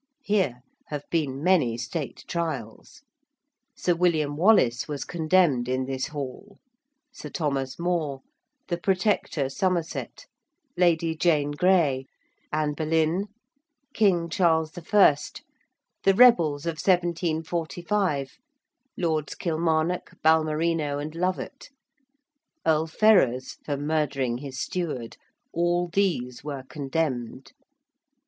Here have been many State trials. Sir William Wallace was condemned in this Hall. Sir Thomas More; the Protector Somerset; Lady Jane Grey; Anne Boleyn; King Charles I.; the rebels of 1745, Lords Kilmarnock, Balmerino and Lovat: Earl Ferrers, for murdering his steward; all these were condemned.